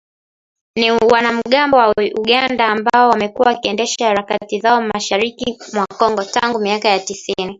ni wanamgambo wa Uganda ambao wamekuwa wakiendesha harakati zao mashariki mwa Kongo tangu miaka ya tisini